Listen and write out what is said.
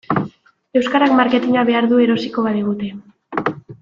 Euskarak marketina behar du erosiko badigute.